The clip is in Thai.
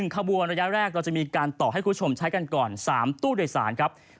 ขบวนระยะแรกเราจะมีการต่อให้คุณผู้ชมใช้กันก่อน๓ตู้โดยสารครับ